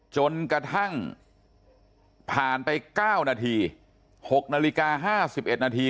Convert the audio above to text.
จนกระทั่งผ่านไป๙นาที๖นาฬิกา๕๑นาที